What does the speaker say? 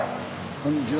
こんにちは。